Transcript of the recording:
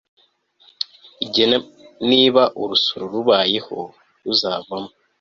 igena niba urusoro rubayeho ruzavamo